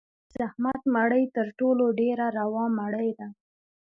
د زحمت مړۍ تر ټولو ډېره روا مړۍ ده.